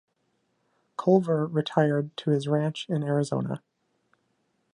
Collver retired to his ranch in Arizona.